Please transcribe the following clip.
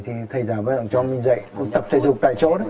thì thầy giáo bây giờ cho mình dạy tập thể dục tại chỗ đấy